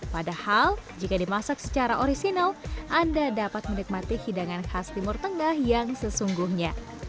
padahal jika dimasak secara orisinal anda dapat menikmati hidangan khas timur tengah yang sesungguhnya